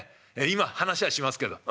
今話はしますけど。